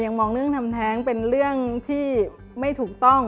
มองเรื่องทำแท้งเป็นเรื่องที่ไม่ถูกต้อง